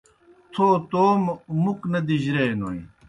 تھو توموْ مُکھ نہ دِجرِیائے نوئے۔